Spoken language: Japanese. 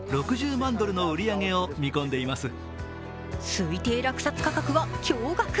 推定落札価格は、驚がく！